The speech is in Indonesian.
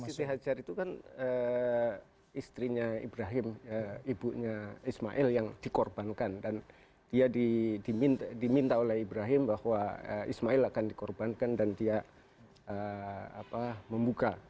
jadi istri hajar itu kan istrinya ibrahim ibunya ismail yang dikorbankan dan dia di diminta oleh ibrahim bahwa ismail akan dikorbankan dan dia memuka